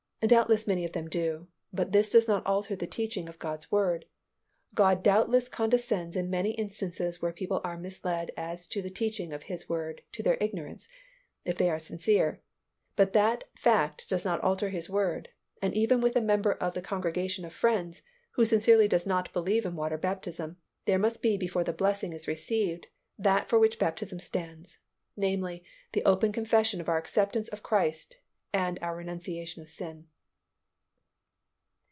Doubtless many of them do, but this does not alter the teaching of God's Word. God doubtless condescends in many instances where people are misled as to the teaching of His Word to their ignorance, if they are sincere, but that fact does not alter His Word, and even with a member of the congregation of Friends, who sincerely does not believe in water baptism, there must be before the blessing is received that for which baptism stands, namely, the open confession of our acceptance of Christ and of our renunciation of sin.